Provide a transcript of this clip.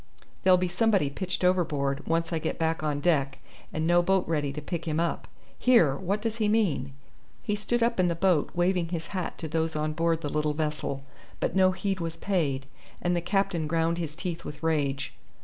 "There'll be somebody pitched overboard once I get back on deck, and no boat ready to pick him up. Here, what does he mean?" He stood up in the boat waving his hat to those on board the little vessel; but no heed was paid, and the captain ground his teeth with rage.